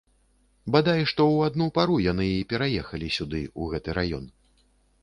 Бадай што ў адну пару яны і пераехалі сюды, у гэты раён.